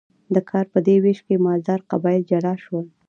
د کار په دې ویش کې مالدار قبایل جلا شول.